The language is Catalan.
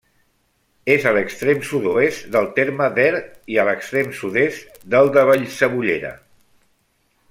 És a l'extrem sud-oest del terme d'Er i a l'extrem sud-est del de Vallcebollera.